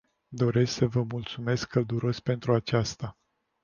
Doresc să vă mulțumesc călduros pentru aceasta.